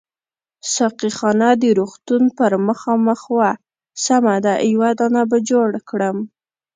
ساقي خانه د روغتون پر مخامخ وه، سمه ده یو دانه به جوړ کړم.